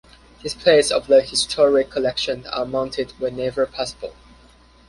Displays of the historic collections are mounted whenever possible.